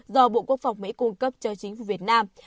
do bộ quốc phòng mỹ cung cấp cho chính phủ việt nam